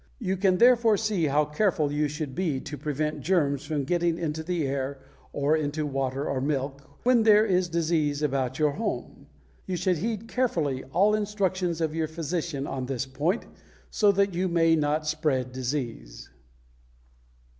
You can therefore see how careful you should be to prevent germs from getting into the air or into water or milk when there is disease about your home. You should heed carefully all instructions of your physician on this point, so that you may not spread disease.